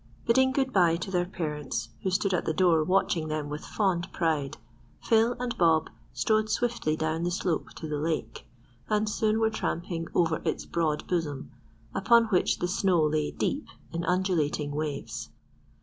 Bidding good bye to their parents, who stood at the door watching them with fond pride, Phil and Bob strode swiftly down the slope to the lake, and soon were tramping over its broad bosom, upon which the snow lay deep in undulating waves.